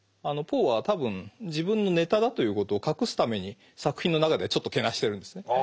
ポーは多分自分のネタだということを隠すために作品の中ではちょっとけなしてるんですね。